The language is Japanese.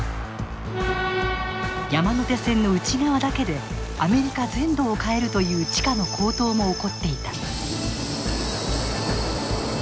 山手線の内側だけでアメリカ全土を買えるという地価の高騰も起こっていた。